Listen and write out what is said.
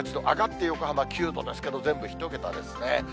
上がって横浜９度ですけど、全部１桁ですね。